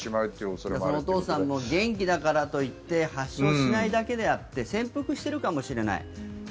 そのお父さんも元気だからと言って発症しないだけで潜伏しているかもしれない。